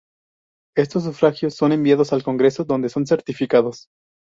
Estos sufragios son enviados al Congreso donde son certificados.